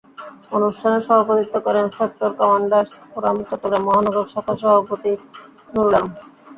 অনুষ্ঠানে সভাপতিত্ব করেন সেক্টর কমান্ডারস ফোরাম চট্টগ্রাম মহানগর শাখার সভাপতি নুরুল আলম।